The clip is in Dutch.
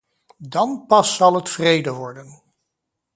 Dan pas zal het vrede worden!